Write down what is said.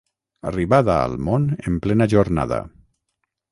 Arribada al món en plena jornada.